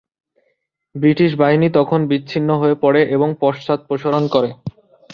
British বাহিনী তখন বিচ্ছিন্ন হয়ে পড়ে এবং পশ্চাদপসরণ করে।